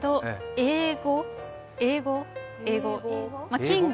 英語、英語、英語。